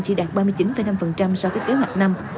chỉ đạt ba mươi chín năm so với kế hoạch năm